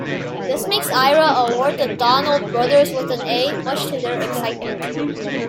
This makes Ira award the Donald brothers with an A, much to their excitement.